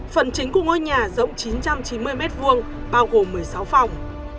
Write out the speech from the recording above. phần chính của ngôi nhà rộng chín trăm chín mươi m hai bao gồm một mươi sáu phòng